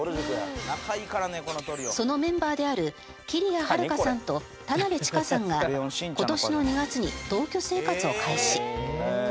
そのメンバーであるきりやはるかさんと田辺智加さんが今年の２月に同居生活を開始。